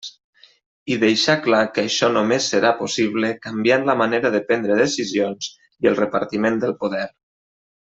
I deixar clar que això només serà possible canviant la manera de prendre decisions i el repartiment del poder.